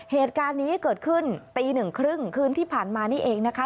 เหตุการณ์นี้เกิดขึ้นตีหนึ่งครึ่งคืนที่ผ่านมานี่เองนะคะ